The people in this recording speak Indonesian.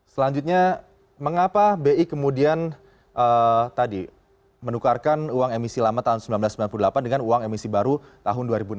selanjutnya mengapa bi kemudian tadi menukarkan uang emisi lama tahun seribu sembilan ratus sembilan puluh delapan dengan uang emisi baru tahun dua ribu enam belas